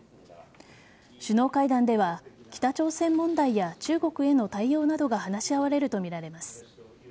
首脳会談では北朝鮮問題や中国への対応などが話し合われるとみられます。